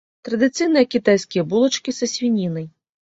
Традыцыйныя кітайскія булачкі са свінінай.